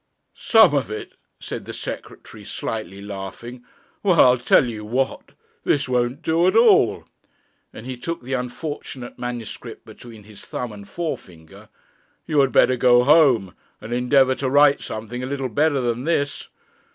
'Some of it!' said the Secretary, slightly laughing. 'Well, I'll tell you what this won't do at all;' and he took the unfortunate manuscript between his thumb and forefinger. 'You had better go home and endeavour to write something a little better than this.